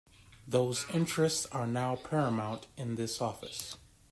Those interests are now paramount in this office.